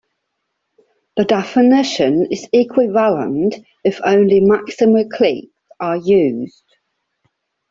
The definition is equivalent if only maximal cliques are used.